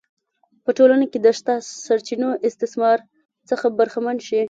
په ټولنه کې د شته سرچینو استثمار څخه برخمن شي.